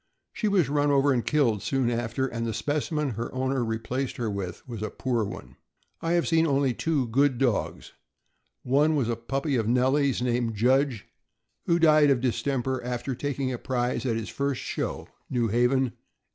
She was run over and killed soon after, and the specimen her owner replaced her with was a poor one. I have only seen two good dogs. One was a puppy of Nellie's, named Judge, who died of distemper after taking a prize at his first show, New Haven, 1885.